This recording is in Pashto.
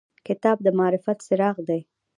کتاب د معرفت څراغ دی.